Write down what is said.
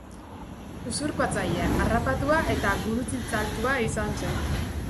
Usurpatzailea, harrapatua eta gurutziltzatua izan zen.